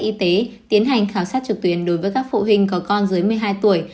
y tế tiến hành khảo sát trực tuyến đối với các phụ huynh có con dưới một mươi hai tuổi